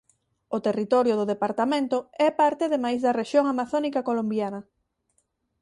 O territorio do departamento é parte ademais da rexión amazónica colombiana.